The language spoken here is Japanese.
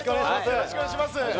よろしくお願いします。